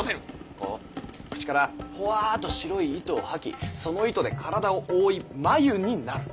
こう口からほわぁっと白い糸を吐きその糸で体を覆い繭になる。